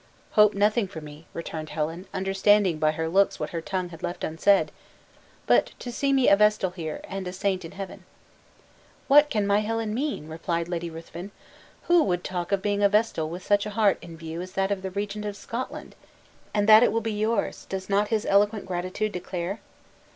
"Hope nothing for me," returned Helen, understanding by her looks what her tongue had left unsaid, "but to see me a vestal here, and a saint in heaven." "What can my Helen mean?" replied Lady Ruthven; "who would talk of being a vestal with such a heart in view as that of the Regent of Scotland? and that it will be yours, does not his eloquent gratitude declare?"